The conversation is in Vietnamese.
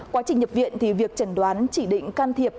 quá trình nhập viện thì việc trần đoán chỉ định can thiệp